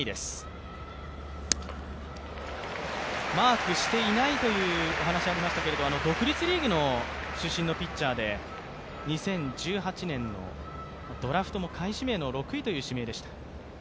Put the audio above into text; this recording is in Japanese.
マークしていないというお話がありましたけれども、独立リーグの出身のピッチャーで２０１８年のドラフトも下位指名の６位という指名でした。